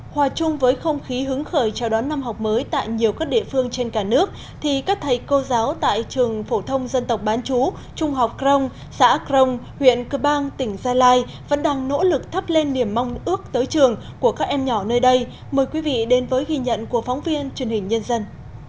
hòa chung với không khí hứng khởi chào đón năm học mới tại nhiều các địa phương trên cả nước thì các thầy cô giáo tại trường phổ thông dân tộc bán chú trung học crong xã crong huyện cơ bang tỉnh gia lai vẫn đang nỗ lực thắp lên niềm mong ước tới trường của các em nhỏ nơi đây mời quý vị đến với ghi nhận của phóng viên truyền hình nhân dân